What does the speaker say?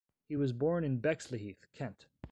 He was born in Bexleyheath, Kent.